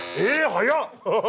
早っ！